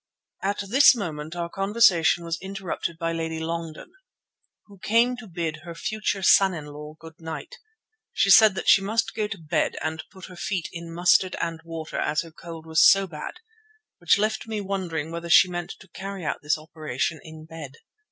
At this moment our conversation was interrupted by Lady Longden, who came to bid her future son in law good night. She said that she must go to bed, and put her feet in mustard and water as her cold was so bad, which left me wondering whether she meant to carry out this operation in bed.